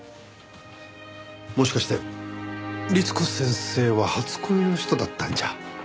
もしかして律子先生は初恋の人だったんじゃ？